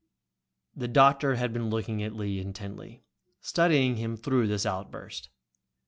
The doctor had been looking at Lee intently, studying him through this outburst.